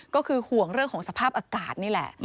ก็คือห่วงเรื่องของสภาพอากาศนี่แหละ